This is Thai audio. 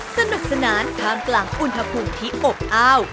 สนุกสนานท่ามกลางอุณหภูมิที่อบอ้าว